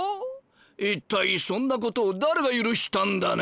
一体そんなことを誰が許したんだね！